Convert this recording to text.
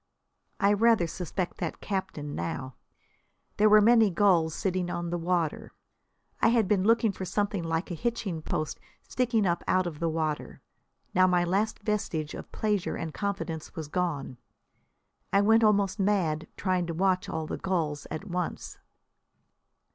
I rather suspect that captain now. There were many gulls sitting on the water. I had been looking for something like a hitching post sticking up out of the water. Now my last vestige of pleasure and confidence was gone. I went almost mad trying to watch all the gulls at once.